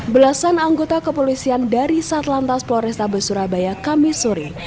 belasan anggota kepolisian dari satlantas polrestabes surabaya kamisuri